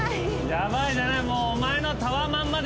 ヤバいじゃない。